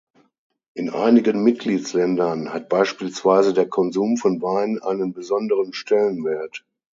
In einigen Mitgliedsländern hat beispielsweise der Konsum von Wein einen besonderen Stellenwert.